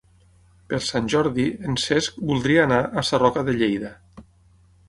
Per Sant Jordi en Cesc voldria anar a Sarroca de Lleida.